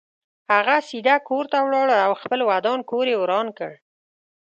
هغه سیده کور ته ولاړ او خپل ودان کور یې وران کړ.